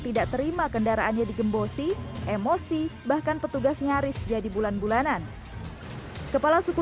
tidak terima kendaraannya digembosi emosi bahkan petugas nyaris jadi bulan bulanan kepala suku